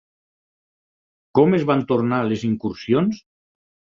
Com es van tornar les incursions?